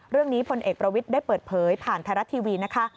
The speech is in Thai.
พลเอกประวิทย์ได้เปิดเผยผ่านไทยรัฐทีวีนะคะ